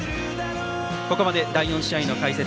ここまで第４試合の解説